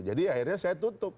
jadi akhirnya saya tutup